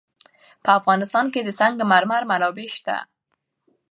په افغانستان کې د سنگ مرمر منابع شته.